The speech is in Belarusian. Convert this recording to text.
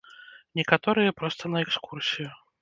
Некаторыя проста на экскурсію.